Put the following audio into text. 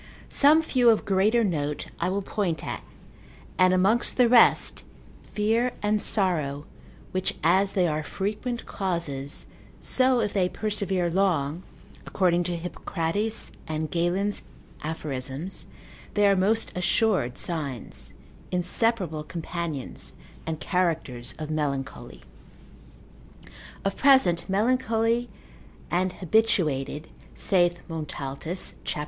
Some few of greater note I will point at; and amongst the rest, fear and sorrow, which as they are frequent causes, so if they persevere long, according to Hippocrates and Galen's aphorisms, they are most assured signs, inseparable companions, and characters of melancholy; of present melancholy and habituated, saith Montaltus cap.